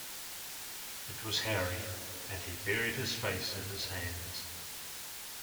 It was Harry, and he buried his face in his hands.